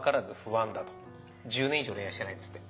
１０年以上恋愛してないですって。